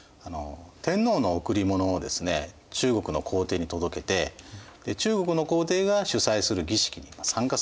天皇の贈り物をですね中国の皇帝に届けて中国の皇帝が主催する儀式に参加することだったんですね。